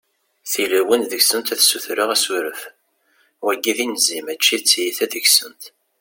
tilawin deg-sent ad ssutreɣ asuref, wagi d inzi mačči t-tiyita deg-sent